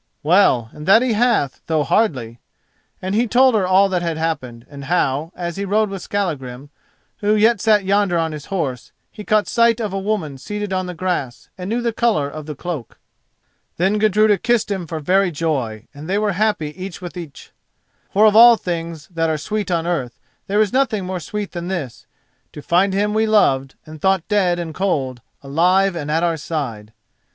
"Well, and that he hath, though hardly," and he told her all that had happened, and how, as he rode with Skallagrim, who yet sat yonder on his horse, he caught sight of a woman seated on the grass and knew the colour of the cloak. Then Gudruda kissed him for very joy, and they were happy each with each—for of all things that are sweet on earth, there is nothing more sweet than this: to find him we loved, and thought dead and cold, alive and at our side.